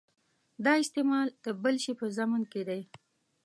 دا استعمال د بل شي په ضمن کې دی.